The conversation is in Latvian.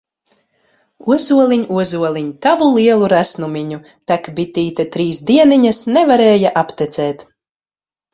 Ozoliņ, ozoliņ, Tavu lielu resnumiņu! Tek bitīte trīs dieniņas, Nevarēja aptecēt!